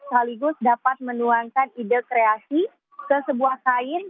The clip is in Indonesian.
sekaligus dapat menuangkan ide kreasi ke sebuah kain